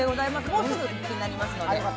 もうすぐ復帰になりますので。